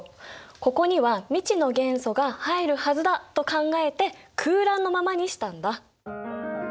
ここには未知の元素が入るはずだと考えて空欄のままにしたんだ。